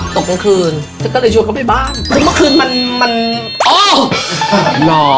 ตกเมื่อคืน